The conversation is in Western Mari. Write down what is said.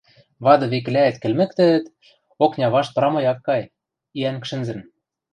Вады векӹлӓэт кӹлмӹктӹӹт, окня вашт прамой ак кай, иӓнг шӹнзӹн.